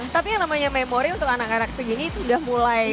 tapi yang namanya memori untuk anak anak segini itu udah mulai